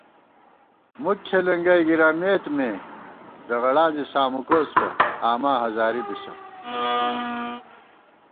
مُک کھېلېنگَئ گِرَمېت مے ݫغڑاں زی سامُکوس بہ آما ہزاری بِسہ